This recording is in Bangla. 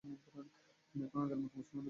তিনি এখন আগের মত মুসলমানদের বিরোধিতা করেন না।